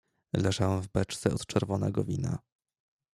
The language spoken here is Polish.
"Leżałem w beczce od czerwonego wina."